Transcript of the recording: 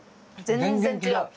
全然違う。